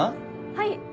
はい。